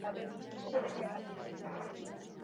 Araldia urtarrila eta otsaila bitartean ematen da.